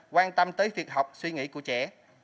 quan tâm tới việc học suy nghĩ của trẻ